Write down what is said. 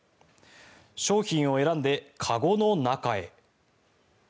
商品を選んで、籠の中へ。